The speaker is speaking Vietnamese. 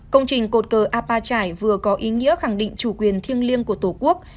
công trình cột cờ apache vừa có ý nghĩa khẳng định chủ quyền thiêng liêng của tổ quốc